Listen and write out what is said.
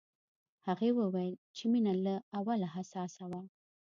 هغې وویل چې مينه له اوله حساسه وه